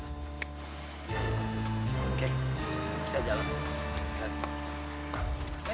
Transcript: oke kita jalan dulu